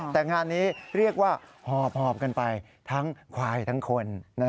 แต่งานนี้เรียกว่าหอบกันไปทั้งควายทั้งคน